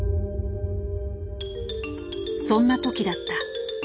そんな時だった。